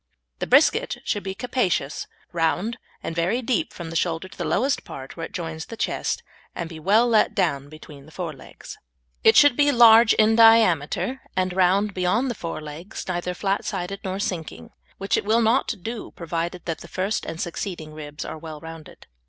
The brisket should be capacious, round, and very deep from the shoulder to the lowest part, where it joins the chest, and be well let down between the fore legs. It should be large in diameter, and round behind the fore legs, neither flat sided nor sinking, which it will not do provided that the first and succeeding ribs are well rounded.